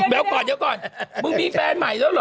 แม่ก่อนมึงมีแฟนใหม่แล้วหรอ